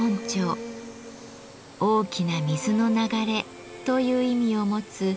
「大きな水の流れ」という意味を持つ